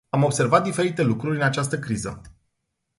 Am observat diferite lucruri în această criză.